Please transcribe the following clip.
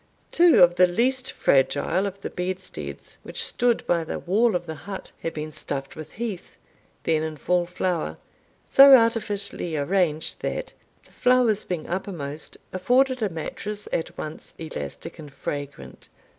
Two of the least fragile of the bedsteads, which stood by the wall of the hut, had been stuffed with heath, then in full flower, so artificially arranged, that, the flowers being uppermost, afforded a mattress at once elastic and fragrant.